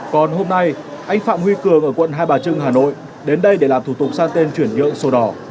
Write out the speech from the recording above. còn hôm nay anh phạm huy cường ở quận hai bà trưng hà nội đến đây để làm thủ tục sang tên chuyển nhượng sổ đỏ